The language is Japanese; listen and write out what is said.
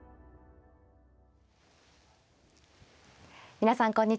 皆さんこんにちは。